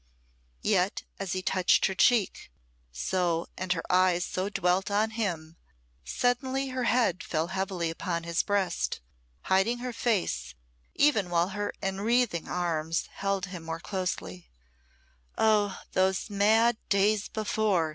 Yet as he touched her cheek so and her eyes so dwelt on him, suddenly her head fell heavily upon his breast, hiding her face, even while her unwreathing arms held more closely. "Oh! those mad days before!"